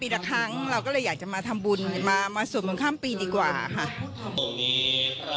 จึงอยากพาสัญญาชิกครอบครัวมาร่วมพิธีเพื่อเสริมซีรีย์มงคล